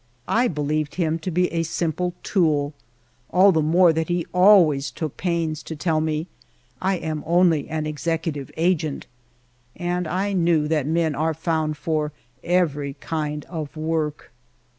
I believed him to be a simple tool, — all the more that he always took pains to tell me, "I am only an executive agent;" and I knew that men are found for every kind of work.